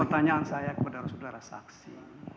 pertanyaan saya kepada saudara saksi